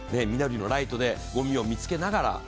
緑のライトでごみを見つけながら。